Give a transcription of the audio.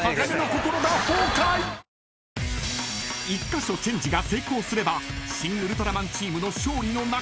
［１カ所チェンジが成功すればシン・ウルトラマンチームの勝利の中］